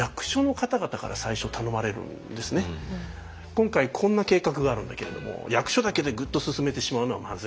今回こんな計画があるんだけれども役所だけでグッと進めてしまうのはまずい。